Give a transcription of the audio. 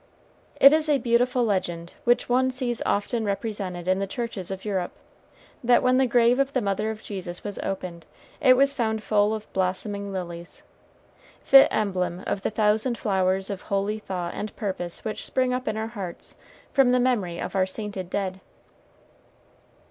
It is a beautiful legend which one sees often represented in the churches of Europe, that when the grave of the mother of Jesus was opened, it was found full of blossoming lilies, fit emblem of the thousand flowers of holy thought and purpose which spring up in our hearts from the memory of our sainted dead.